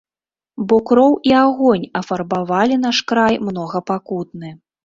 Бо кроў і агонь афарбавалі наш край многапакутны.